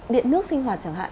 điện nước sinh hoạt chẳng hạn